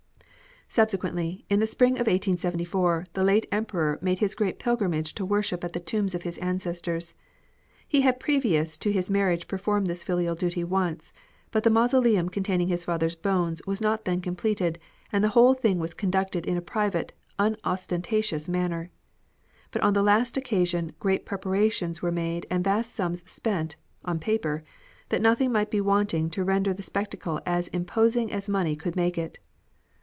Subsequently, in the spring of 1874, the late Emperor made his great pilgrimage to worship at the tombs of his ancestors. He had previous to his marriage performed this filial duty once, but the mausoleum containing his father's bones was not then completed, and the whole thing was conducted in a private, unostentatious manner. But on the last occasion great preparations were made and vast sums spent (on paper), that nothing might be wanting to render the spectacle as imposing as money could make it.